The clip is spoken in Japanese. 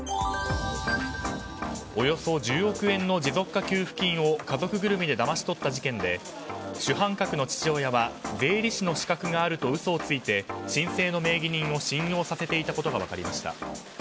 およそ１０億円の持続化給付金を家族ぐるみでだまし取った事件で主犯格の父親は税理士の資格があると嘘をついて申請の名義人を信用させていたことが分かりました。